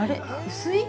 薄い？